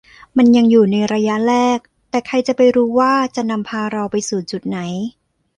มันยังอยู่ในระยะแรก แต่ใครจะไปรู้ว่าจะนำพาเราไปสู่จุดไหน